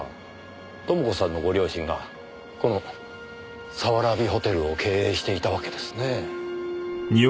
朋子さんのご両親がこの早蕨ホテルを経営していたわけですねぇ。